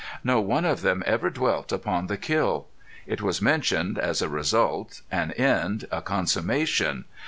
No one of them ever dwelt upon the kill! It was mentioned, as a result, an end, a consummation.